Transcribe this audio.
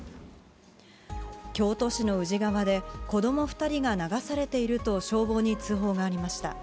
京都市の宇治川で、子ども２人が流されていると消防に通報がありました。